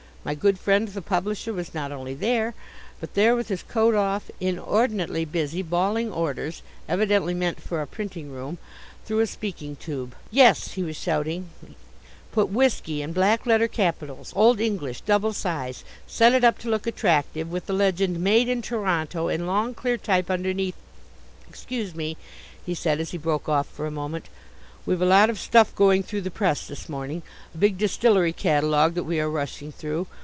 My good friend the publisher was not only there, but there with his coat off, inordinately busy, bawling orders evidently meant for a printing room through a speaking tube. "Yes," he was shouting, "put WHISKY in black letter capitals, old English, double size, set it up to look attractive, with the legend MADE IN TORONTO in long clear type underneath " "Excuse me," he said, as he broke off for a moment. "We've a lot of stuff going through the press this morning a big distillery catalogue that we are rushing through.